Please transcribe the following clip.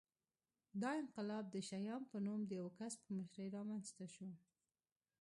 دا انقلاب د شیام په نوم د یوه کس په مشرۍ رامنځته شو